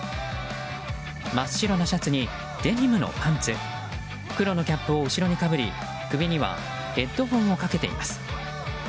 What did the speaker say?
真っ白なシャツにデニムのパンツ黒のキャップを後ろにかぶり首にはヘッドホンをかけています。